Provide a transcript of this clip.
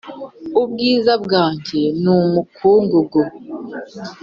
ubwiza bwanjye nu mukungugu .